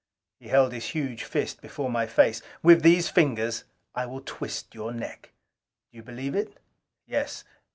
He held his huge fist before my face. "With these fingers I will twist your neck! Do you believe it?" "Yes."